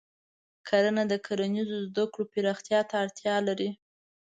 کرنه د کرنیزو زده کړو پراختیا ته اړتیا لري.